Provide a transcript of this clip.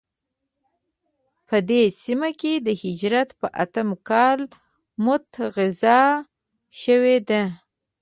په دې سیمه کې د هجرت په اتم کال موته غزا شوې ده.